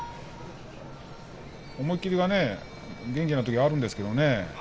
思い切りがね元気なときはあるんですけどね。